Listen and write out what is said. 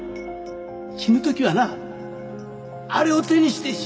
死ぬ時はなあれを手にして死ぬはずだった！